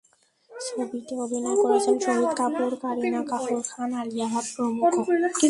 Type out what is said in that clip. ছবিতে অভিনয় করেছেন শহীদ কাপুর, কারিনা কাপুর খান, আলিয়া ভাট প্রমুখ।